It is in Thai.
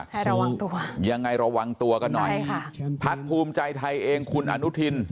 ให้ระวังตัวยังไงระวังตัวกันหน่อยใช่ค่ะพักภูมิใจไทยเองคุณอนุทิน